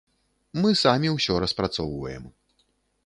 Мы самі ўсё распрацоўваем.